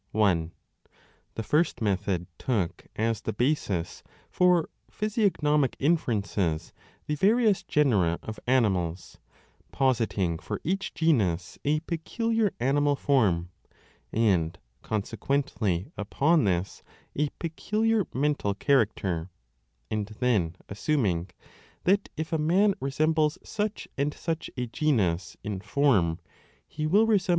20 i. The first method took as the basis for physiognomic inferences the various genera of animals, positing for each genus a peculiar animal form, and consequently upon this a peculiar mental character, and then assuming that if a man resembles such and such a genus in form he will resemble it also in soul.